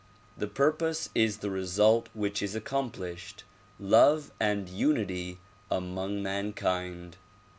The pur pose is the result which is accomplished, love and unity among man kind.